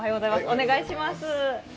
お願いします。